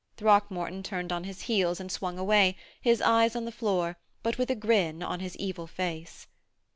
Throckmorton turned on his heels and swung away, his eyes on the floor, but with a grin on his evil face.